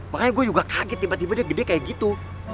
makanya gue juga kaget tiba tiba dia gede kayak gitu